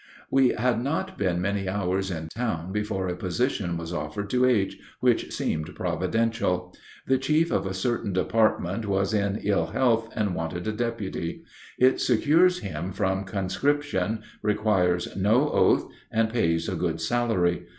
We had not been many hours in town before a position was offered to H. which seemed providential. The chief of a certain department was in ill health and wanted a deputy. It secures him from conscription, requires no oath, and pays a good salary.